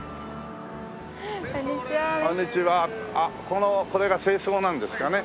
これが正装なんですかね。